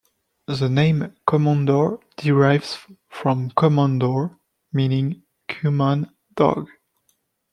The name Komondor derives from Koman-dor, meaning "Cuman dog".